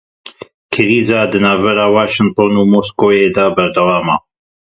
Krîza di navbera Waşinton û Moskowê de berdewam e.